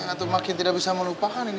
atau makin tidak bisa melupakan ini